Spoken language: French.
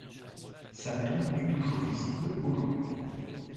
Sa tombe est toujours visible aujourd'hui.